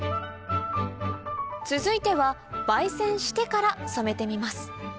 続いては媒染してから染めてみます